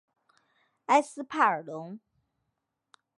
埃斯帕尔龙。